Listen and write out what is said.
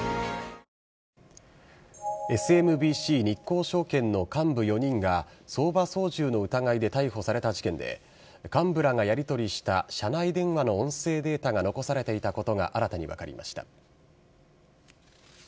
ＳＭＢＣ日興証券の幹部４人が、相場操縦の疑いで逮捕された事件で、幹部らがやり取りした社内電話の音声データが残されていたことが新たに分かりました。